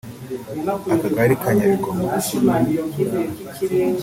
Akagari ka Nyabigoma